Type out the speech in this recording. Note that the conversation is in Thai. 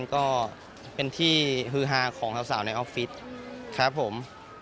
ก็เป็นที่ฮือฮาของสาวในออฟฟิศครับผม